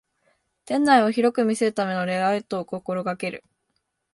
店内を広く見せるためのレイアウトを心がける